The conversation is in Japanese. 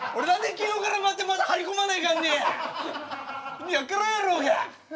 意味分からんやろうが！